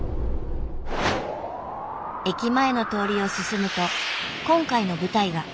駅前の通りを進むと今回の舞台が。